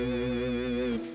bantu tete lah